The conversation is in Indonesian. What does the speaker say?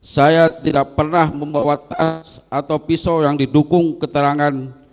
saya tidak pernah membawa tas atau pisau yang didukung keterangan